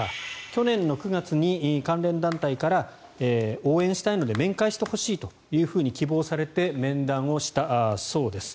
去年９月に関連団体から応援したいので面会してほしいと希望されて面談をしたそうです。